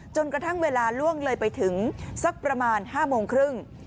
จนกระทั่งเวลาล่วงเลยไปถึงสักประมาณ๕โมงครึ่ง